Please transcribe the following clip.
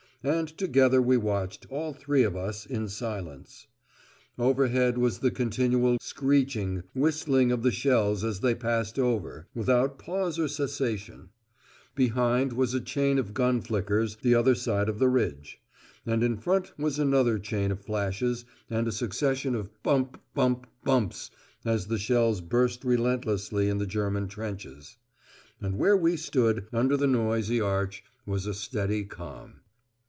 And together we watched, all three of us, in silence. Overhead was the continual griding, screeching, whistling of the shells as they passed over, without pause or cessation; behind was a chain of gun flickers the other side of the ridge; and in front was another chain of flashes, and a succession of bump, bump, bumps, as the shells burst relentlessly in the German trenches. And where we stood, under the noisy arch, was a steady calm.